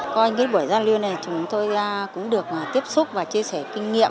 coi cái buổi giao lưu này chúng tôi cũng được tiếp xúc và chia sẻ kinh nghiệm